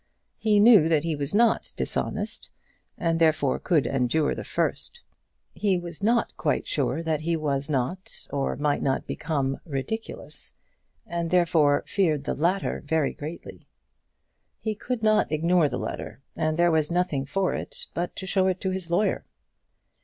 He knew that he was not dishonest, and therefore could endure the first. He was not quite sure that he was not, or might not become, ridiculous, and therefore feared the latter very greatly. He could not ignore the letter, and there was nothing for it but to show it to his lawyer.